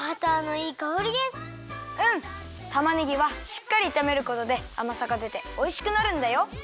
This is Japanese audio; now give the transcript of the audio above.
たまねぎはしっかりいためることであまさがでておいしくなるんだよ。